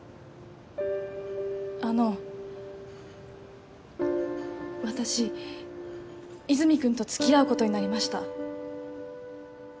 あの私和泉君と付き合うことになりました